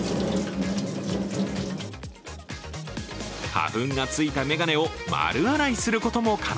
花粉がついた眼鏡を丸洗いすることも可能。